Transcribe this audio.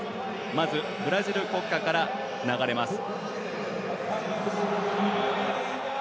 まず、ブラジル国歌から流れます。